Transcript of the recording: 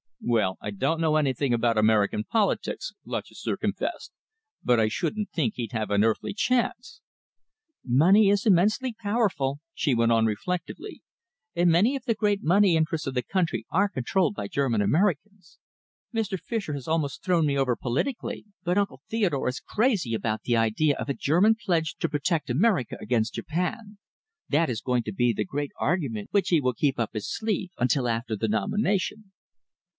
"Well, I don't know anything about American politics," Lutchester confessed, "but I shouldn't think he'd have an earthly chance." "Money is immensely powerful," she went on reflectively, "and many of the great money interests of the country are controlled by German Americans. Mr. Fischer has almost thrown me over politically, but Uncle Theodore is crazy about the idea of a German pledge to protect America against Japan. That is going to be the great argument which he will keep up his sleeve until after the nomination."